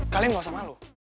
kalian gak usah malu